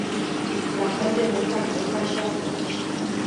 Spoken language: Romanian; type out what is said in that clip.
La fel de mult acum ca și atunci.